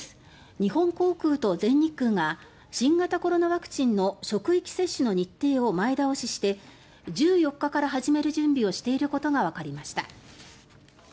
日本航空と全日空が新型コロナワクチンの職域接種の日程を前倒しして１４日から始める準備をしていることがわかりました。